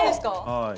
はい。